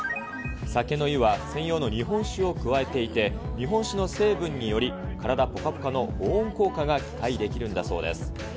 酒の湯は専用の日本酒を加えていて、日本酒の成分により、体ぽかぽかの保温効果が期待できるんだそうです。